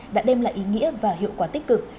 đã đem lại ý nghĩa và hiệu quả tích cực